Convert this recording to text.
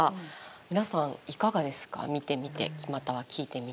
皆さん、いかがですか見てみて、または聞いてみて。